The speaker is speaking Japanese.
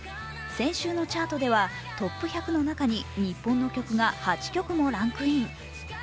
先週のチャートではトップ１００の中に日本の曲が８曲もランクイン。